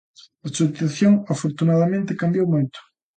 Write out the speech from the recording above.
A situación, afortunadamente, cambiou moito.